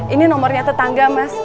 ini nomornya tetangga mas